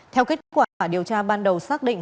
theo kết quả điều tra ban đầu xác định